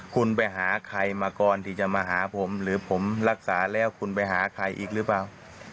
คุณไปหาใครมาก่อนที่จะมาหาผมหรือผมรักษาแล้วคุณไปหาใครอีกหรือเปล่า